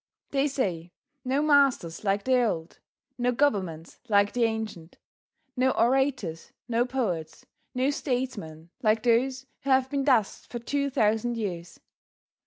They say, no masters like the old, no governments like the ancient, no orators, no poets, no statesmen like those who have been dust for two thousand years.